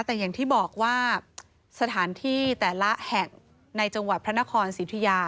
แต่อย่างที่บอกว่าสถานที่แต่ละแห่งในจังหวัดพระนครสิทธิยา